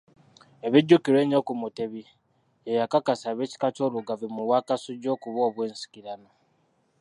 Ebijjukirwa ennyo ku Mutebi, ye yakakasa ab'ekika ky'Olugave mu Bwakasujju okuba obw'ensikirano.